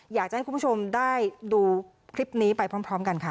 อยากจะให้คุณผู้ชมได้ดูคลิปนี้ไปพร้อมกันค่ะ